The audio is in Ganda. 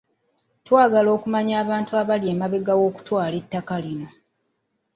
Twagala okumanya abantu abali emabega w'okutwala ettaka lino.